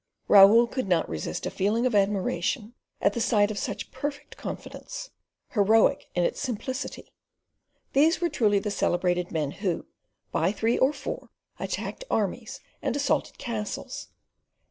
Raoul could not resist a feeling of admiration at the sight of such perfect confidence, heroic in its simplicity. These were truly the celebrated men who, by three or four, attacked armies and assaulted castles!